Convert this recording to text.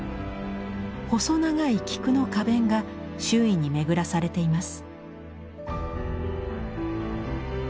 細長い菊の花弁が周囲に巡らされています。